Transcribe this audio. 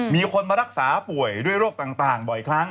มีคนมารักษาป่วยด้วยโรคต่างบ่อยครั้ง